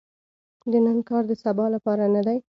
د نن کار د سبا لپاره نه دي .